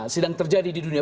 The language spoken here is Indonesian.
sedang terjadi di dunia